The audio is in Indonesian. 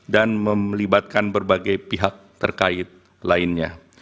dan memlibatkan berbagai pihak terkait lainnya